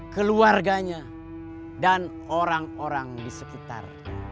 keluarganya dan orang orang di sekitarnya